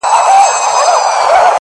پرون دي بيا راته غمونه راكړل؛